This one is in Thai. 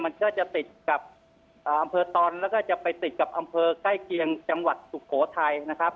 มันก็จะติดกับอำเภอตอนแล้วก็จะไปติดกับอำเภอใกล้เคียงจังหวัดสุโขทัยนะครับ